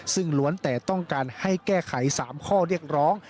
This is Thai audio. ซึ่งล้วนแต่ต้องการให้แก้ไข๓ข้อเรียกร้อง